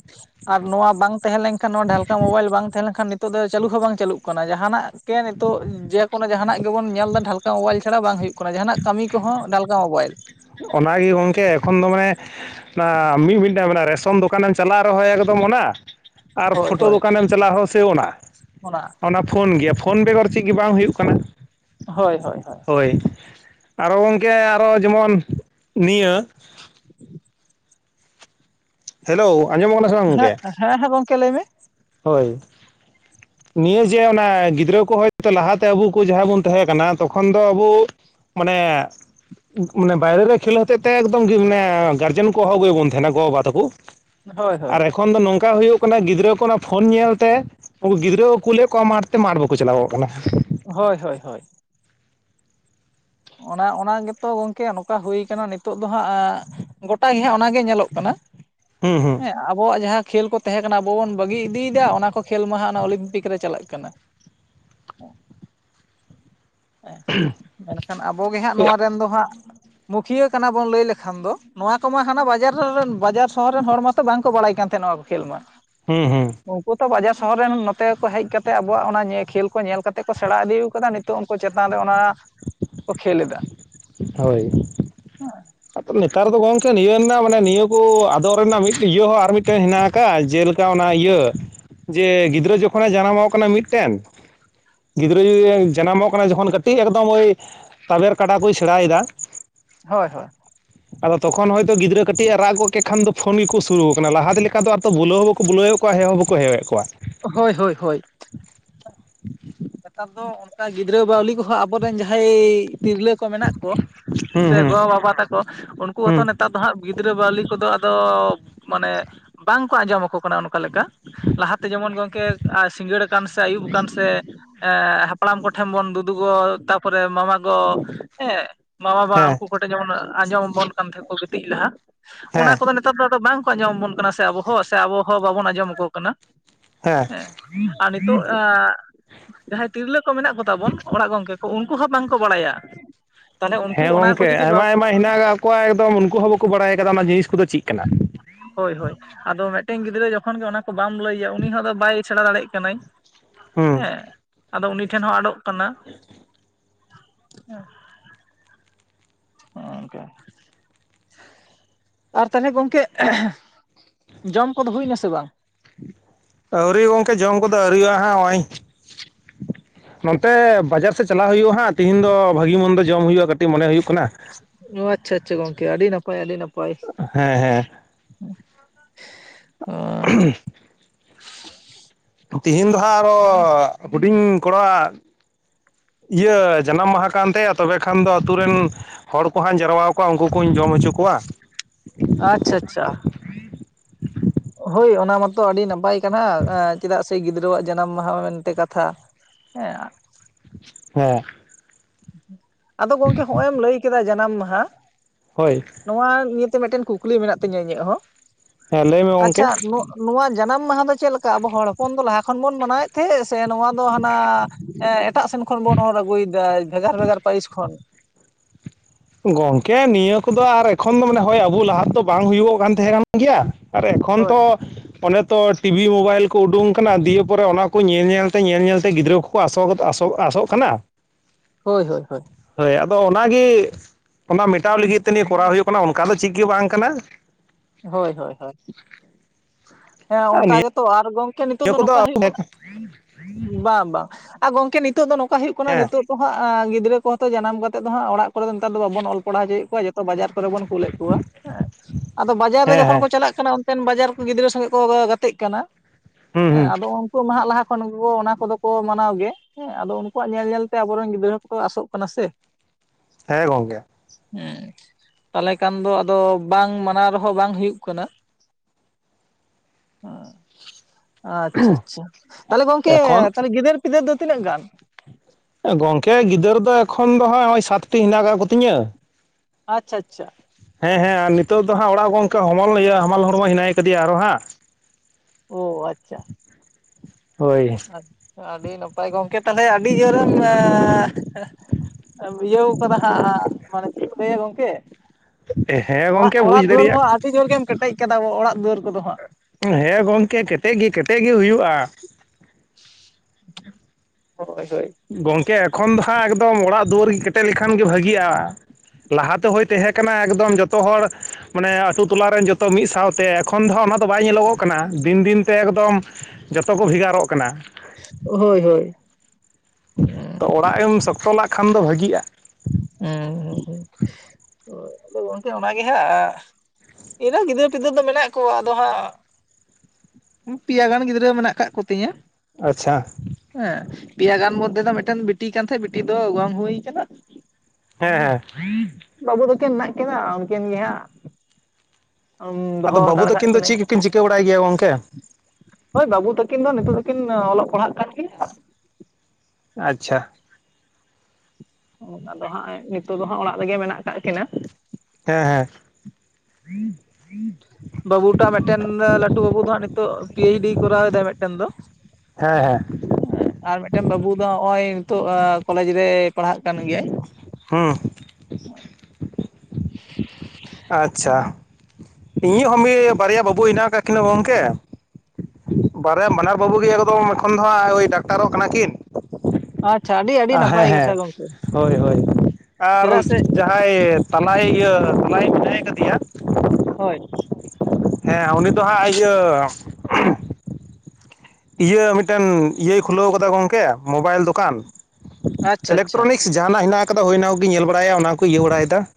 ᱟᱨ ᱱᱚᱣᱟ ᱵᱟᱝ ᱛᱟᱦᱮᱸ ᱞᱮᱱᱠᱷᱟᱱ ᱱᱚᱣᱟ ᱰᱷᱟᱞᱠᱟ ᱢᱳᱵᱟᱭᱤᱞ ᱵᱟᱝ ᱛᱟᱦᱮᱸ ᱞᱮᱱᱠᱷᱟᱱ ᱱᱤᱛᱳᱜ ᱫᱚ ᱪᱟᱹᱞᱩ ᱦᱚᱸ ᱵᱟᱝ ᱪᱟᱹᱞᱩᱜ ᱠᱟᱱᱟ ᱡᱟᱦᱟᱱᱟᱜ ᱠᱮ ᱱᱤᱛᱚᱜ ᱡᱮᱠᱳᱱᱳ ᱡᱟᱦᱟᱱᱟᱜ ᱜᱮᱵᱚᱱ ᱧᱮᱞ ᱮᱫᱟ ᱰᱷᱟᱞᱠᱟ ᱢᱳᱵᱟᱭᱤᱞ ᱪᱷᱟᱲᱟ ᱵᱟᱝ ᱦᱩᱭᱩᱜ ᱠᱟᱱᱟ ᱡᱟᱦᱟᱱᱟᱜ ᱠᱟᱹᱢᱤ ᱠᱚᱦᱚᱸ ᱰᱷᱟᱞᱠᱟ ᱢᱳᱵᱟᱭᱤᱞ᱾ ᱚᱱᱟᱜᱮ ᱜᱚᱝᱠᱮ ᱮᱠᱷᱚᱱ ᱫᱚ ᱢᱟᱱᱮ ᱚᱱᱟ ᱢᱤᱫ ᱢᱤᱫᱴᱟᱝ ᱨᱮᱥᱚᱱ ᱫᱚᱠᱟᱱᱮᱢ ᱪᱟᱞᱟᱜ ᱨᱮᱦᱚ ᱮᱠᱫᱚᱢ ᱚᱱᱟ ᱟᱨ ᱦᱳᱭ ᱯᱷᱳᱴᱳ ᱦᱳᱭ ᱫᱚᱠᱟᱱᱮᱢ ᱪᱟᱞᱟᱜᱼᱟ ᱦᱚᱸ ᱥᱮ ᱚᱱᱟ ᱚᱱᱟ ᱯᱷᱳᱱ ᱜᱮᱭᱟ ᱯᱷᱳᱱ ᱜᱮ᱾ ᱯᱷᱳᱱ ᱵᱮᱜᱚᱨ ᱪᱮᱫ ᱜᱮ ᱵᱟᱝ ᱦᱩᱭᱩᱜ ᱠᱟᱱᱟ᱾ ᱦᱳᱭ ᱦᱳᱭ ᱦᱳᱭ᱾ [unintelligible] ᱟᱨᱚ ᱜᱚᱝᱠᱮ ᱟᱨᱚ ᱡᱮᱢᱚᱱ ᱱᱤᱭᱟᱹ [unintelligible] ᱦᱮᱞᱳ ᱟᱸᱡᱚᱢᱚᱜ ᱠᱟᱱᱟ ᱥᱮ ᱵᱟᱝ ᱦᱮᱸ ᱜᱚᱝᱠᱮ? ᱦᱮᱸ ᱦᱮᱸ ᱜᱚᱝᱠᱮ ᱞᱟᱹᱭ ᱢᱮ᱾ ᱦᱳᱭ᱾ ᱱᱤᱭᱟᱹ ᱡᱮ ᱚᱱᱟ ᱜᱤᱫᱽᱨᱟᱹ ᱠᱚᱦᱚᱸ ᱞᱟᱦᱟᱛᱮ ᱟᱵᱚ ᱠᱩ ᱡᱟᱦᱟᱸ ᱵᱚᱱ ᱛᱟᱦᱮᱸ ᱠᱟᱱᱟ ᱛᱚᱠᱷᱚᱱ ᱫᱚ ᱟᱹᱵᱩ ᱢᱟᱱᱮᱭᱮᱜ ᱮ ᱵᱟᱭᱨᱮ ᱨᱮ ᱠᱷᱮᱞᱳ ᱦᱚᱛᱮᱡ ᱛᱮ ᱮᱠᱫᱚᱢ ᱢᱟᱱᱮ ᱜᱟᱨᱡᱮᱱ ᱠᱚ ᱦᱚᱦᱚ ᱟᱹᱜᱩᱭᱮᱫ ᱵᱚᱱ ᱛᱟᱦᱮᱸᱫᱱᱟ ᱜᱚ ᱵᱟᱵᱟ ᱛᱟᱠᱚ᱾ ᱦᱳᱭ ᱦᱳᱭ᱾ ᱮᱚᱠᱷᱚᱱ ᱫᱚ ᱱᱚᱝᱠᱟ ᱦᱩᱭᱩᱜ ᱠᱟᱱᱟ ᱜᱤᱫᱽᱨᱟᱹ ᱠᱷᱚᱱᱟᱜ ᱯᱷᱳᱱ ᱧᱮᱞ ᱛᱮ ᱩᱱᱠᱩ ᱜᱤᱫᱽᱨᱟᱹ ᱠᱚ ᱠᱩᱞᱮᱫ ᱠᱚᱣᱟ ᱢᱟᱴ ᱛᱮ ᱢᱟᱴᱷ ᱵᱟᱠᱚ ᱪᱟᱞᱟᱣᱚᱜ ᱠᱟᱱᱟ ᱾ ᱦᱳᱭ ᱦᱳᱭ ᱦᱳᱭ᱾ ᱚᱱᱟ ᱚᱱᱟ ᱜᱮᱛᱚ ᱜᱚᱝᱠᱮ ᱱᱚᱝᱠᱟ ᱦᱩᱭᱩᱠᱟᱱᱟ ᱱᱤᱛᱳᱜ ᱫᱚ ᱦᱟᱜᱸ ᱜᱚᱴᱟᱮ ᱦᱟᱸᱜ ᱚ ᱜᱮ ᱧᱮᱞᱚᱜ ᱠᱟᱱᱟ᱾ [unintelligible] ᱦᱮᱸ ᱟᱵᱚᱣᱟᱜ ᱡᱟᱦᱟᱸ ᱠᱷᱮᱞ ᱠᱚ ᱛᱟᱦᱮᱸ ᱠᱟᱱᱟ ᱟᱵᱚ ᱵᱚᱱ ᱵᱟᱹᱜᱤ ᱤᱫᱤᱭᱮᱫᱟ ᱚᱱᱟ ᱠᱚ ᱠᱷᱮᱞ ᱢᱟ ᱦᱟᱸᱟᱜ ᱚᱱᱟ ᱚᱞᱤᱢᱯᱤᱠ ᱨᱮ ᱪᱟᱞᱟᱜ ᱠᱟᱱᱟ ᱾ [unintelligible] ᱠᱷᱟᱱ ᱟᱵᱚᱜᱮ ᱦᱟᱸᱜ ᱱᱚᱣᱟ ᱨᱮᱱ ᱫᱚ ᱦᱟᱸᱜ ᱢᱩᱠᱷᱤᱭᱟᱹ ᱠᱟᱱᱟ ᱵᱩᱱ ᱞᱟᱹᱭ ᱞᱮᱠᱷᱟᱱ ᱫᱚ᱾ ᱱᱚᱣᱟ ᱠᱩ ᱦᱟᱱᱟ ᱵᱟᱡᱟᱨ ᱨᱮᱱ ᱵᱟᱡᱟᱨ ᱥᱚᱦᱚᱨ ᱨᱮᱱ ᱦᱚᱲ ᱢᱟᱛᱚ ᱵᱟᱝᱠᱚ ᱵᱟᱲᱟᱭ ᱠᱟᱱ ᱛᱟᱦᱮᱸ ᱱᱚᱣᱟ ᱠᱚ ᱠᱷᱮᱞ ᱢᱟ᱾ ᱦᱩᱸ ᱦᱩᱸ᱾ ᱩᱱᱠᱩ ᱛᱚ ᱵᱟᱡᱟᱨ ᱥᱚᱦᱚᱨ ᱨᱮᱱ ᱱᱚᱛᱮ ᱠᱚ ᱦᱮᱡ ᱠᱟᱛᱮ ᱟᱵᱚᱣᱟᱜ ᱚᱱᱟ ᱧᱮᱞ ᱠᱷᱮᱞ ᱠᱩ ᱧᱮᱞ ᱠᱟᱛᱮ ᱠᱚ ᱥᱮᱬᱟ ᱤᱫᱤ ᱟᱠᱟᱫᱟ᱾ ᱱᱤᱛᱚᱜ ᱩᱱᱠᱩ ᱪᱮᱛᱟᱱ ᱨᱮ ᱚᱱᱟ [unintelligible] ᱠᱚ ᱠᱷᱮᱞ ᱮᱫᱟ᱾ ᱦᱳᱭ᱾ ᱟᱫᱚ ᱱᱮᱛᱟᱨ ᱫᱚ ᱜᱚᱝᱠᱮ ᱱᱤᱭᱟᱹ ᱨᱮᱱᱟᱜ ᱢᱟᱱᱮ ᱱᱤᱭᱟᱹ ᱠᱚ ᱟᱫᱚᱜ ᱨᱮᱱᱟᱜ ᱢᱤᱫ ᱤᱭᱟᱹ ᱦᱚᱸ ᱟᱨ ᱢᱤᱫᱴᱮᱱ ᱦᱮᱱᱟᱜᱼᱟ᱾ ᱠᱟ ᱡᱮᱞᱮᱠᱟ ᱚᱱᱟ ᱤᱭᱟᱹ ᱡᱮ ᱜᱤᱫᱽᱨᱟᱹ ᱡᱚᱠᱷᱚᱱᱮ ᱡᱟᱱᱟᱢᱚᱠ ᱠᱟᱱᱟ ᱢᱤᱫᱴᱮᱱ ᱜᱤᱫᱽᱨᱟᱹ ᱡᱟᱱᱟᱢᱚᱜ ᱠᱟᱱᱟ ᱡᱚᱠᱷᱚᱱ ᱠᱟᱹᱴᱤᱡ ᱮᱠᱫᱚᱢ ᱳᱭ ᱛᱵᱮᱨ ᱠᱟᱰᱟ ᱠᱩᱭ ᱥᱮᱬᱟᱭᱫᱟ ᱦᱳᱭ ᱦᱳᱭ᱾ ᱟᱫᱚ ᱛᱚᱠᱷᱚᱱ ᱦᱚᱭᱛᱳ ᱜᱤᱫᱽᱨᱟᱹ ᱠᱟᱹᱴᱤᱡᱼ ᱮ ᱨᱟᱜ ᱜᱚᱫ ᱠᱮᱫ ᱠᱷᱟᱱ ᱫᱚ ᱯᱷᱳᱱ ᱜᱮᱠᱚ ᱥᱩᱨᱩᱣ ᱟᱠᱟᱱᱟ ᱞᱟᱦᱟᱛᱮ ᱞᱮᱠᱟ ᱫᱚ ᱟᱨᱚ ᱵᱩᱞᱟᱹᱣ ᱦᱚᱸ ᱵᱟᱠᱚ ᱵᱩᱞᱟᱹᱣᱮᱫ ᱠᱚᱣᱟ ᱦᱮᱣ ᱦᱚᱸ ᱵᱟᱠᱚ ᱦᱮᱣᱮᱫ ᱠᱚᱣᱟ᱾ ᱦᱳᱭ ᱦᱳᱭ ᱦᱳᱭ [inaudible] ᱱᱮᱛᱟᱨ ᱫᱚ ᱚᱱᱠᱟ ᱜᱤᱫᱽᱨᱟᱹ ᱵᱟᱣᱞᱤ ᱠᱚ ᱾ ᱦᱚᱸ ᱟᱵᱚᱨᱮᱱ ᱡᱟᱦᱟᱸᱭ ᱛᱤᱨᱞᱟᱹ ᱠᱚ ᱢᱮᱱᱟᱜ ᱠᱚ ᱦᱩᱸ ᱥᱮ ᱦᱩᱸ ᱜᱚ ᱵᱟᱵᱟ ᱛᱟᱠᱚ ᱠᱚ ᱩᱱᱠᱩ ᱦᱩᱸ ᱦᱚᱸᱛᱚ ᱱᱮᱛᱟᱨ ᱫᱚ ᱦᱟᱸᱜ ᱜᱤᱫᱽᱨᱟᱹ ᱵᱟᱣᱞᱤ ᱠᱚᱫᱚ ᱟᱫᱚ ᱢᱟᱱᱮ ᱵᱟᱝᱠᱚ ᱟᱸᱡᱚᱢ ᱟᱠᱚ ᱠᱟᱱᱟ ᱾ ᱚᱠᱟ ᱞᱮᱠᱟ ᱞᱟᱦᱟᱛᱮ ᱡᱮᱢᱚᱱ ᱜᱚᱝᱠᱮ ᱥᱤᱝᱜᱟᱲ ᱟᱠᱟᱱ ᱥᱮ ᱟᱹᱭᱩᱵ ᱟᱠᱟᱱ ᱥᱮ ᱮᱸ ᱦᱟᱯᱲᱟᱢ ᱠᱚᱴᱷᱮᱱ ᱵᱚᱱ ᱫᱩᱫᱩᱜᱚ ᱛᱟᱨ ᱯᱚᱨᱮ ᱢᱟᱢᱟ ᱜᱚ ᱦᱮᱸ ᱢᱟᱢᱟ ᱵᱟ ᱦᱮᱸ ᱩᱱᱠᱩ ᱠᱚᱴᱮᱱ ᱡᱮᱢᱚᱱ ᱟᱸᱡᱚᱢ ᱟᱵᱚᱱ ᱠᱟᱱ ᱛᱟᱦᱮᱸ ᱠᱚ ᱜᱤᱛᱤᱡ ᱞᱟᱦᱟ ᱦᱮᱸ ᱚᱱᱟ ᱠᱚᱫᱚ ᱱᱮᱛᱟᱨ ᱫᱚ ᱟᱫᱚ ᱵᱟᱝᱠᱚ ᱟᱸᱡᱚᱢ ᱟᱵᱚᱱ ᱠᱟᱱᱟ ᱾ ᱛᱮ ᱟᱵᱚ ᱦᱚᱸ ᱥᱮ ᱟᱵᱚ ᱦᱚᱸ ᱵᱟᱵᱚᱱ ᱟᱸᱡᱚᱢ ᱟᱠᱚ ᱠᱟᱱᱟ ᱾ ᱦᱮᱸ ᱟᱨ ᱱᱤᱛᱚᱜ [inaudible] ᱡᱟᱦᱟᱸᱭ ᱛᱤᱨᱞᱟᱹ ᱠᱚ ᱢᱮᱱᱟᱜ ᱠᱚᱛᱟ ᱵᱚᱱ ᱚᱲᱟᱜ ᱜᱚᱝᱠᱮ ᱠᱚ ᱩᱱᱠᱩ ᱦᱚᱸ ᱵᱟᱝᱠᱚ ᱵᱟᱲᱟᱭᱟ ᱾ ᱛᱟᱞᱦᱮ ᱩᱱᱠᱩ ᱚᱱᱟ ᱠᱚ ᱡᱩᱫᱤ ᱦᱮᱫᱟ ᱜᱟ ᱠᱚᱣᱟ ᱮᱠᱫᱚᱢ ᱩᱱᱠᱩ ᱦᱚᱸ ᱵᱟᱠᱚ ᱵᱟᱲᱟᱭ ᱠᱟᱫᱟ ᱚᱱᱟ ᱡᱤᱱᱤᱥ ᱠᱚᱫᱚ ᱪᱤᱜ ᱠᱟᱱᱟ? ᱦᱳᱭ ᱦᱳᱭ ᱟᱫᱚ ᱢᱤᱫᱴᱮᱱ ᱜᱤᱫᱽᱨᱟᱹ ᱡᱚᱠᱷᱚᱱ ᱜᱮ ᱚᱱᱟ ᱠᱚ ᱵᱟᱢ ᱞᱟᱹᱭᱟ ᱩᱱᱤ ᱦᱚᱸ ᱵᱟᱭ ᱥᱮᱬᱟ ᱫᱟᱲᱮᱜ ᱠᱟᱱᱟᱭ ᱾ ᱦᱩᱸ ᱦᱮᱸ ᱟᱫᱚ ᱩᱱᱤ ᱴᱷᱮᱱ ᱦᱚᱸ ᱟᱰᱚᱜ ᱠᱟᱱᱟ [inaudible] ᱦᱚᱜᱼᱚᱝᱠᱟ [inaudible] ᱟᱨ ᱛᱟᱞᱦᱮ ᱜᱚᱝᱠᱮ [unintelligible] ᱡᱚᱢ ᱠᱚᱫᱚ ᱦᱩᱭ ᱱᱟᱥᱮ ᱵᱟᱝ? ᱟᱹᱣᱨᱤ ᱜᱚᱝᱠᱮ ᱡᱚᱢ ᱠᱚᱫᱚ ᱟᱹᱣᱨᱤᱚᱜᱼᱟ [inaudible] ᱱᱚᱱᱛᱮ ᱵᱟᱡᱟᱨ ᱥᱮᱫ ᱪᱟᱞᱟᱜ ᱦᱩᱭᱩᱜ ᱦᱟᱸᱜ ᱛᱤᱦᱤᱧ ᱫᱚ ᱵᱷᱟᱜᱮ ᱢᱚᱱᱫᱚ ᱡᱚᱢ ᱦᱩᱭᱩᱜᱼᱟ ᱠᱟᱹᱴᱤᱡ ᱢᱚᱱᱮ ᱦᱩᱭᱩᱜ ᱠᱟᱱᱟ ᱾ ᱚ ᱟᱪᱪᱷᱟ ᱟᱪᱪᱷᱟ ᱜᱚᱝᱠᱮ ᱟᱹᱰᱤ ᱱᱟᱯᱟᱭ ᱟᱹᱰᱤ ᱱᱟᱯᱟᱭ ᱾ [inaudible] ᱦᱮᱸ ᱦᱮᱸ [unintelligible] ᱛᱤᱦᱤᱧ ᱫᱚ ᱦᱟᱸᱜ ᱟᱨᱚ ᱦᱩᱰᱤᱧ ᱠᱚᱲᱟ ᱟᱜ ᱤᱭᱟᱹ ᱡᱟᱱᱟᱢ ᱢᱟᱦᱟ ᱠᱟᱱ ᱛᱟᱭᱟ ᱛᱚᱵᱮ ᱠᱷᱟᱱ ᱫᱚ ᱟᱹᱛᱩ ᱨᱮᱱ ᱦᱚᱲ ᱠᱚᱦᱟᱸᱧ ᱡᱟᱨᱣᱟ ᱠᱚᱣᱟ ᱩᱱᱠᱩ ᱠᱩᱧ ᱡᱚᱢ ᱦᱚᱪᱚ ᱠᱚᱣᱟ᱾ ᱟᱪᱪᱷᱟ ᱟᱪᱪᱷᱟ ᱾ ᱦᱳᱭ ᱚᱱᱟ ᱢᱟᱛᱚ ᱟᱹᱰᱤ ᱱᱟᱯᱟᱭ ᱠᱟᱱᱟ ᱮᱸ ᱪᱮᱫᱟᱜ ᱥᱮ ᱜᱤᱫᱽᱨᱟᱹᱣᱟᱜ ᱡᱟᱱᱟᱢ ᱢᱟᱦᱟ ᱢᱮᱱ ᱛᱮ ᱠᱟᱛᱷᱟ᱾ [unintelligible] ᱦᱮᱸ ᱾ ᱟᱫᱚ ᱜᱚᱝᱠᱮ ᱦᱚᱸᱜᱼᱚᱭ ᱮᱢ ᱞᱟᱹᱭ ᱠᱮᱫᱟ ᱡᱟᱱᱟᱢ ᱢᱟᱦᱟ ᱦᱳᱭ, ᱱᱚᱣᱟ ᱱᱤᱭᱟᱹᱛᱮ ᱢᱤᱫ ᱴᱮᱱ ᱠᱩᱠᱞᱤ ᱢᱮᱱᱟᱜ ᱛᱤᱧᱟᱹ ᱤᱧᱟᱹᱜ ᱦᱮᱸ ᱦᱮᱸ ᱞᱟᱹᱭ ᱢᱮ ᱜᱚᱝᱠᱮ ᱟᱪᱪᱷᱟ ᱱᱚᱣᱟ ᱡᱟᱱᱟᱢ ᱢᱟᱦᱟᱸ ᱫᱚ ᱪᱮᱜ ᱞᱮᱠᱟ ᱟᱵᱚ ᱦᱚᱲ ᱦᱚᱯᱚᱱ ᱫᱚ ᱞᱟᱦᱟ ᱠᱷᱚᱱ ᱵᱚᱱ ᱢᱟᱱᱟᱣ ᱮᱫ ᱛᱷᱮ ᱥᱮ ᱱᱚᱣᱟ ᱫᱚ ᱦᱟᱱᱟ ᱮᱴᱟᱜ ᱥᱮᱱ ᱠᱷᱚᱱ ᱵᱚᱱ ᱚᱨ ᱟᱹᱜᱩᱭᱫᱟ ᱵᱷᱮᱜᱟᱨ ᱵᱷᱮᱜᱟᱨ ᱯᱟᱭᱤᱥ ᱠᱷᱚᱱ ᱾ ᱜᱚᱝᱠᱮ ᱱᱤᱭᱟᱹ ᱠᱚ ᱫᱚ ᱟᱨ ᱮᱠᱷᱚᱱ ᱫᱚ ᱢᱟᱱᱮ ᱦᱳᱭ ᱟᱵᱚ ᱞᱟᱦᱟ ᱛᱮ ᱵᱟᱝ ᱦᱩᱭᱚᱜᱚᱜ ᱠᱟᱱ ᱛᱟᱦᱮᱸ ᱠᱟᱱ ᱜᱮᱭᱟ᱾ ᱟᱨ ᱮᱠᱷᱚᱱ ᱦᱳᱭ ᱛᱚ ᱚᱱᱮᱛᱚ ᱴᱤᱵᱷᱤ ᱢᱳᱵᱟᱭᱤᱞ ᱠᱚ ᱩᱰᱩᱝ ᱠᱟᱱᱟ ᱫᱤᱭᱮ ᱯᱚᱨᱮ ᱚᱱᱟ ᱠᱚ ᱧᱮᱞ ᱧᱮᱞ ᱛᱮ ᱧᱮᱞ ᱧᱮᱞ ᱛᱮ ᱜᱤᱫᱽᱨᱟᱹ ᱠᱚ ᱠᱚ ᱟᱥ ᱜᱚᱫᱚᱜ ᱟᱥᱚᱜ ᱟᱥᱚᱜ ᱠᱟᱱᱟ᱾ ᱦᱳᱭ ᱦᱳᱭ ᱦᱳᱭ ᱾ ᱦᱳᱭ ᱟᱫᱚ ᱚᱱᱟ ᱜᱤ ᱚᱱᱟ ᱢᱮᱴᱟᱣ ᱞᱤᱜᱤᱫ ᱛᱮ ᱱᱤᱭᱟᱹ ᱠᱚᱨᱟᱣ ᱦᱩᱭᱩᱜ ᱠᱟᱱᱟ ᱚᱱᱠᱟ ᱫᱚ ᱪᱤᱜ ᱜᱤ ᱵᱟᱝ ᱠᱟᱱᱟ᱾ ᱦᱳᱭ ᱦᱳᱭ ᱦᱳᱭ [inaudible] ᱦᱮᱸ ᱟᱨ ᱚᱱᱠᱟ ᱱᱤᱭᱟᱹ ᱜᱮ ᱛᱚ ᱟᱨ ᱜᱚᱝᱠᱮ ᱱᱤᱛᱚᱜ ᱱᱤᱭᱟᱹ ᱫᱚ ᱱᱚᱝᱠᱟ ᱠᱚᱫᱚ ᱦᱩᱭᱩᱜ ᱠᱟᱱᱟ [inaudible] ᱵᱟᱝ ᱵᱟᱝ ᱟ ᱜᱚᱝᱠᱮ ᱱᱤᱛᱚᱜ ᱫᱚ ᱱᱚᱠᱟ ᱦᱩᱭᱩᱜ ᱠᱟᱱᱟ ᱦᱮᱸ ᱱᱤᱛᱚᱜ ᱫᱚ ᱦᱟᱸᱜ ᱜᱤᱫᱽᱨᱟᱹ ᱠᱚᱦᱚᱸ ᱛᱚ ᱡᱟᱱᱟᱢ ᱠᱟᱛᱮᱫ ᱫᱚ ᱦᱟᱸᱜ ᱚᱲᱟᱜ ᱠᱚᱨᱮ ᱫᱚ ᱱᱮᱛᱟᱨ ᱫᱚ ᱵᱟᱵᱚᱱ ᱚᱞ ᱯᱟᱲᱦᱟ ᱪᱚᱭᱮᱜ ᱠᱚᱣᱟ ᱡᱷᱚᱛᱚ ᱵᱟᱡᱟᱨ ᱠᱚᱨᱮ ᱵᱚᱱ ᱠᱩᱞᱮᱜ ᱠᱚᱣᱟ ᱦᱮᱸ ᱟᱫᱚ ᱵᱟᱡᱟᱨ ᱨᱮ ᱦᱮᱸ ᱡᱚᱠᱷᱚᱱ ᱦᱮᱸ ᱠᱚ ᱪᱟᱞᱟᱜ ᱠᱟᱱᱟ ᱚᱱᱛᱮᱱ ᱵᱟᱡᱟᱨ ᱠᱚ ᱜᱤᱫᱽᱨᱟᱹ ᱥᱚᱸᱜᱮ ᱠᱚ ᱠᱚ ᱜᱟᱛᱮᱜ ᱠᱟᱱᱟ ᱦᱩᱸ ᱦᱮᱸ ᱦᱩᱸ ᱟᱫᱚ ᱚᱝ ᱠᱩ ᱢᱟᱦᱟᱜ ᱞᱟᱦᱟ ᱠᱷᱚᱱ ᱱᱩᱠᱩ ᱜᱚ ᱚᱱᱟ ᱠᱚ ᱫᱚ ᱠᱚ ᱢᱟᱱᱟᱣ ᱜᱮ᱾ ᱦᱮᱸ ᱟᱫᱚ ᱩᱱᱠᱩᱣᱟᱜ ᱧᱮᱞ ᱧᱮᱞ ᱛᱮ ᱟᱵᱚ ᱨᱮᱱ ᱜᱤᱫᱽᱨᱟᱹ ᱠᱚ ᱟᱥᱚᱜ ᱠᱟᱱᱟ ᱥᱮ᱾ ᱦᱮᱸ ᱜᱚᱝᱠᱮ᱾ ᱩᱸ ᱛᱟᱞᱦᱮ ᱠᱷᱟᱱ ᱫᱚ ᱟᱫᱚ ᱵᱟᱝ ᱢᱟᱱᱟᱣ ᱨᱮᱦᱚᱸ ᱵᱟᱝ ᱦᱩᱭᱩᱜ ᱠᱟᱱᱟ᱾ ᱦᱮᱸ ᱟᱪᱪᱷᱟ ᱟᱪᱪᱷᱟ ᱛᱟᱦᱞᱮ ᱜᱚᱝᱠᱮ ᱮᱠᱷᱚᱱ ᱛᱟᱦᱞᱮ ᱜᱤᱫᱟᱹᱨᱼᱯᱤᱫᱟᱹᱨ ᱫᱚ ᱛᱤᱱᱟᱹᱜ ᱜᱟᱱ? ᱜᱚᱝᱠᱮ ᱜᱤᱫᱟᱹᱨ ᱫᱚ ᱮᱠᱷᱚᱱ ᱫᱚ ᱦᱟᱸᱜ ᱦᱚᱸᱜᱼᱚᱭ ᱥᱟᱫᱽᱴᱤ ᱦᱮᱱᱟᱜ ᱠᱟᱜ ᱠᱚᱛᱤᱧᱟᱹ᱾ ᱟᱪᱪᱷᱟ ᱟᱪᱪᱷᱟ᱾ ᱦᱮᱸ ᱦᱮᱸ ᱟᱨ ᱱᱤᱛᱚᱜ ᱫᱚ ᱦᱟᱸᱜ ᱚᱲᱟᱜ ᱜᱚᱝᱠᱮ ᱦᱚᱢᱚᱞ ᱤᱭᱟᱹ ᱦᱟᱢᱟᱞ ᱦᱚᱲᱢᱚ ᱦᱮᱱᱟᱭ ᱠᱟᱫᱮᱭᱟ ᱟᱨᱚ ᱦᱟᱸᱜ᱾ ᱳ ᱟᱪᱪᱷᱟ᱾ ᱦᱳᱭ᱾ ᱟᱹᱰᱤ ᱱᱟᱯᱟᱭ ᱜᱚᱝᱠᱮ ᱛᱟᱞᱦᱮ ᱟᱹᱰᱤ ᱡᱳᱨᱮᱢ ᱮᱸ ᱤᱭᱟᱹᱣ ᱠᱟᱫᱟ ᱦᱟᱸᱜ ᱦᱟᱸᱜ ᱢᱟᱱᱮ ᱪᱮᱜ ᱤᱧ ᱞᱟᱹᱭᱟ ᱜᱚᱝᱠᱮ ᱦᱮᱸ ᱚᱲᱟᱜ ᱜᱚᱝᱠᱮ ᱚᱲᱟᱜ ᱵᱩᱡᱽ ᱫᱩᱣᱟᱹᱨ ᱫᱟᱲᱮᱭᱟᱜ ᱦᱚᱸ ᱟᱹᱰᱤ ᱡᱳᱨ ᱜᱮᱢ ᱠᱮᱴᱮᱡ ᱠᱟᱫᱟ ᱚᱲᱟᱜ ᱫᱩᱣᱟᱹᱨ ᱠᱚᱫᱚ ᱦᱟᱸᱜ᱾ ᱦᱮᱸ ᱜᱚᱝᱠᱮ ᱠᱮᱴᱮᱡ ᱜᱤ ᱠᱮᱴᱮᱡ ᱜᱤ ᱦᱩᱭᱩᱜᱼᱟ᱾ ᱦᱚᱭ ᱦᱳᱭ᱾ ᱜᱚᱝᱠᱮ ᱮᱠᱷᱚᱱ ᱫᱚ ᱦᱟᱸᱜ ᱮᱠᱫᱚᱢ ᱚᱲᱟᱜ ᱫᱩᱣᱟᱹᱨ ᱜᱤ ᱠᱮᱴᱮᱜ ᱞᱮᱠᱷᱟᱱ ᱜᱮ ᱵᱷᱟᱹᱜᱤᱜᱼᱟ᱾ ᱞᱟᱦᱟ ᱛᱮᱦᱚᱸᱭ ᱛᱟᱦᱮᱸ ᱠᱟᱱᱟ ᱮᱠᱫᱚᱢ ᱡᱚᱛᱚ ᱦᱚᱲ ᱢᱟᱱᱮ ᱟᱛᱩ ᱴᱚᱞᱟ ᱨᱮᱱ ᱡᱷᱚᱛᱚ ᱢᱤᱜ ᱥᱟᱶᱛᱮ ᱮᱠᱷᱚᱱ ᱫᱚᱦᱟᱸᱜ ᱚᱱᱟ ᱫᱚ ᱵᱟᱭ ᱧᱮᱞᱚᱜᱚᱜ ᱠᱟᱱᱟ ᱫᱤᱱ ᱫᱤᱱᱛᱮ ᱮᱠᱫᱚᱢ ᱡᱚᱛᱚ ᱠᱚ ᱵᱷᱮᱜᱟᱨᱚᱜ ᱠᱟᱱᱟ᱾ ᱦᱳᱭ ᱦᱳᱭ᱾ ᱦᱩᱸ ᱛᱚ ᱚᱲᱟᱜ ᱮᱢ ᱥᱚᱠᱛᱚ ᱞᱟᱜ ᱠᱷᱟᱱ ᱵᱷᱟᱜᱤᱜᱼᱟ᱾ ᱩᱸ ᱦᱩᱸ ᱦᱩᱸ ᱟᱫᱚ ᱜᱚᱝᱠᱮ ᱚᱱᱟ ᱜᱮ ᱦᱟᱸᱜ ᱤᱧᱹ ᱨᱮᱱ ᱜᱤᱫᱽᱨᱟᱹᱼᱯᱤᱫᱟᱹᱨ ᱫᱚ ᱢᱮᱱᱟᱜ ᱠᱚᱣᱟ ᱟᱫᱚ ᱦᱟᱸᱜ ᱯᱤᱭᱟ ᱜᱟᱱ ᱜᱤᱫᱽᱨᱟᱹ ᱢᱮᱱᱟᱜ ᱠᱟᱜ ᱠᱚ ᱛᱤᱧᱟ ᱾ ᱟᱪᱪᱷᱟ᱾ ᱮᱸ ᱯᱮᱭᱟ ᱜᱟᱱ ᱢᱚᱫᱽᱫᱷᱮ ᱫᱚ ᱢᱤᱫᱴᱮᱱ ᱵᱤᱴᱤ ᱠᱟᱱ ᱛᱟᱦᱮᱸᱜ ᱵᱤᱴᱤ ᱫᱚ ᱜᱚᱝ ᱦᱩᱭ ᱠᱟᱱᱟ᱾ ᱦᱮᱸ ᱦᱮᱸ᱾ ᱵᱟᱹᱵᱩ ᱛᱟᱹᱠᱤᱱ ᱢᱮᱱᱟᱜ ᱠᱤᱱᱟ ᱩᱝᱠᱤᱱ ᱜᱮ ᱦᱟᱸᱜ ᱩᱢ ᱫᱚᱦᱚ ᱟᱫᱚ ᱵᱟᱹᱵᱩ ᱦᱟᱛᱟᱲ ᱠᱟᱜ ᱛᱟᱹᱠᱤᱱ ᱫᱚ ᱠᱤᱱᱟᱹᱧ᱾ ᱪᱮᱫ ᱠᱚᱠᱤᱱ ᱪᱤᱠᱟᱹ ᱵᱟᱲᱟᱭ ᱜᱮᱭᱟ ᱜᱚᱝᱠᱮ ᱦᱳᱭ ᱵᱟᱹᱵᱩ ᱛᱟᱹᱠᱤᱱ ᱫᱚ ᱱᱤᱛᱚᱜ ᱫᱚᱠᱤᱱ ᱚᱞᱚᱜ ᱯᱟᱲᱦᱟᱜ ᱠᱟᱱ ᱜᱮᱭᱟ᱾ ᱟᱪᱪᱷᱟ᱾ ᱟᱫᱚ ᱦᱟᱸᱜ ᱱᱤᱛᱚᱜ ᱫᱚᱦᱟᱸᱜ ᱚᱲᱟᱜ ᱨᱮᱜᱮ ᱢᱮᱱᱟᱜ ᱠᱟᱜ ᱠᱤᱱᱟ᱾ ᱦᱮᱸ ᱦᱮᱸ᱾ ᱵᱟᱹᱵᱩ ᱴᱟᱜ ᱢᱤᱫᱴᱮᱱ ᱞᱟᱹᱴᱩ ᱵᱟᱹᱵᱩ ᱫᱚᱦᱟᱸᱜ ᱱᱤᱛᱚᱜ ᱯᱤ ᱮᱭᱤᱪ ᱰᱤ ᱠᱚᱨᱟᱣᱫᱟᱭ ᱢᱤᱫᱴᱮᱱ ᱫᱚ᱾ ᱦᱮᱸ ᱦᱮᱸ᱾ ᱮᱸ ᱟᱨ ᱢᱤᱜᱴᱮᱱ ᱵᱟᱹᱵᱩ ᱫᱚ ᱦᱚᱸᱜᱼᱚᱭ ᱱᱤᱛᱚᱜ ᱮᱸ ᱠᱚᱞᱮᱡᱽ ᱨᱮᱭ ᱯᱟᱲᱦᱟᱜ ᱠᱟᱱ ᱜᱮᱭᱟᱭ᱾ ᱦᱩᱸ ᱟᱪᱪᱷᱟ᱾ ᱤᱧᱟᱹᱜ ᱦᱚᱸ ᱢᱤ ᱵᱟᱨᱭᱟ ᱵᱟᱹᱵᱩ ᱦᱮᱱᱟᱜ ᱠᱟᱜ ᱠᱤᱱᱟᱹ ᱜᱚᱝᱠᱮ᱾ ᱵᱟᱨᱭᱟ ᱵᱟᱱᱟᱨ ᱵᱟᱹᱵᱩ ᱜᱮ ᱮᱠᱫᱚᱢ ᱮᱠᱷᱚᱱ ᱫᱚᱦᱟᱸᱜ ᱳᱭ ᱰᱟᱠᱛᱟᱨᱚᱜ ᱠᱟᱱᱟ ᱠᱤᱱ᱾ ᱟᱪᱪᱷᱟ ᱟᱹᱰᱤ ᱟᱹᱰᱤ ᱦᱮᱸ ᱱᱟᱯᱟᱭ ᱦᱮᱸ ᱠᱟᱛᱷᱟ ᱜᱚᱝᱠᱮ ᱦᱳᱭ ᱦᱳᱭ ᱟᱨ ᱪᱮᱫᱟᱜ ᱥᱮ ᱡᱟ ᱦᱟᱸᱭ ᱛᱟᱞᱟᱭᱤᱜ ᱤᱭᱟᱹ ᱛᱟᱞᱟᱭᱤᱜ ᱢᱮᱱᱟᱹᱭ ᱠᱟᱫᱮᱭᱟ ᱦᱚᱭ᱾ ᱦᱮᱸ ᱩᱱᱤ ᱫᱚ ᱦᱟᱸᱜ ᱤᱭᱟᱹ ᱤᱭᱟᱹ ᱢᱤᱫᱴᱮᱱ ᱤᱭᱟᱹᱭ ᱠᱷᱩᱞᱟᱹᱣ ᱠᱟᱫᱟ ᱜᱚᱝᱠᱮ ᱢᱳᱚᱵᱟᱭᱤᱞ ᱫᱚᱠᱟᱱ ᱟᱪᱪᱷᱟ ᱟᱪᱪᱷᱟ ᱤᱞᱮᱠᱴᱨᱚᱱᱤᱠᱥ ᱡᱟᱦᱟᱸᱱᱟᱜ ᱦᱮᱱᱟᱜ ᱟᱠᱟᱫᱟ ᱦᱩᱭᱱᱟᱜᱭ ᱧᱮᱞ ᱵᱟᱲᱟᱭᱟ ᱚᱱᱟ ᱠᱚ ᱤᱭᱟᱹ ᱵᱟᱲᱟᱭᱫᱟ᱾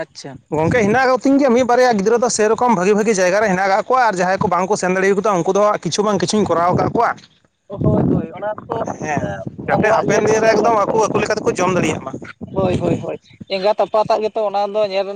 ᱟᱪᱪᱷᱟ᱾ ᱜᱚᱝᱠᱮ ᱦᱮᱱᱟᱜ ᱠᱚᱛᱤᱧ ᱜᱮᱭᱟ ᱢᱤᱫ ᱵᱟᱨᱭᱟ ᱜᱤᱫᱽᱨᱟᱹ ᱫᱚ ᱥᱮᱨᱚᱠᱚᱢ ᱵᱷᱟᱜᱤ ᱵᱷᱟᱜᱤ ᱡᱟᱭᱜᱟ ᱨᱮ ᱦᱮᱱᱟᱜ ᱠᱫ ᱠᱚᱣᱟ ᱟᱨ ᱡᱟᱦᱟᱸᱭ ᱠᱚ ᱵᱟᱝᱠᱩ ᱥᱮᱱ ᱫᱟᱲᱮᱭᱟᱚᱫᱟ ᱩᱱᱠᱩ ᱫᱚ ᱠᱤᱪᱷᱩ ᱵᱟᱝ ᱠᱤᱪᱷᱩᱧ ᱠᱚᱨᱟᱣ ᱠᱟᱜ ᱠᱚᱣᱟ᱾ ᱦᱳᱭ ᱦᱳᱭ ᱚᱱᱟ ᱛᱚ ᱦᱮᱸ ᱮᱸ ᱡᱟᱛᱮ ᱟᱵᱚᱣᱟᱜ ᱦᱟᱯᱮᱱ ᱜᱮᱛᱚ ᱫᱤᱱᱨᱮ ᱧᱮᱞ ᱫᱚᱨ ᱮᱠᱫᱚᱢ ᱟᱠᱚ ᱟᱠᱚ ᱞᱮᱠᱟ ᱛᱮᱠᱚ ᱡᱚᱢ ᱫᱟᱲᱮᱭᱟᱜ ᱢᱟ᱾ ᱦᱳᱭ ᱦᱳᱭ ᱦᱳᱭ ᱮᱸᱜᱟᱛ ᱟᱯᱟᱛᱟᱜ ᱜᱮᱛᱚ ᱚᱱᱟ ᱫᱚ ᱧᱮᱞ